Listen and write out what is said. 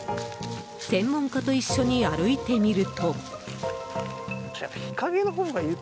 専門家と一緒に歩いてみると。